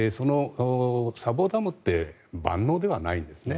砂防ダムって万能ではないんですね。